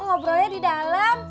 ngobrolnya di dalam